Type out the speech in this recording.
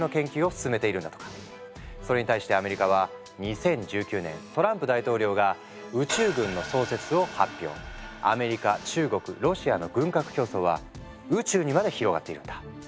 それに対してアメリカは２０１９年トランプ大統領がアメリカ中国ロシアの軍拡競争は宇宙にまで広がっているんだ。